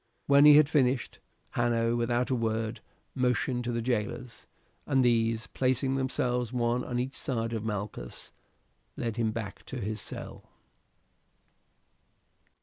When he had finished, Hanno without a word motioned to the jailers, and these, placing themselves one on each side of Malchus, led him back to his cell.